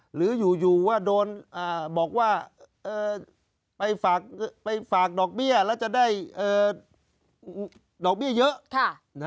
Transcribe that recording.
หรืออยู่ว่าโดนบอกว่าไปฝากดอกเบี้ยแล้วจะได้ดอกเบี้ยเยอะ